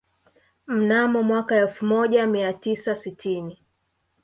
Mnamo mwaka elfu moja mia tisa sitini